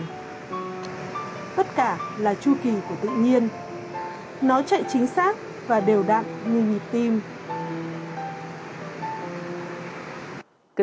tất cả là chu kỳ của tự nhiên nó chạy chính xác và đều đặn như nhịp tim